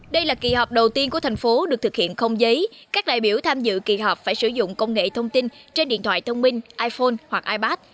đây là kỳ họp đầu tiên của thành phố được thực hiện không giấy các đại biểu tham dự kỳ họp phải sử dụng công nghệ thông tin trên điện thoại thông minh iphone hoặc ipad